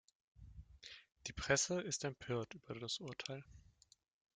Die Presse ist empört über das Urteil.